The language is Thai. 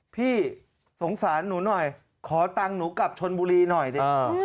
พี่สงสารหนูหน่อยขอตังค์หนูกลับชนบุรีหน่อยดิ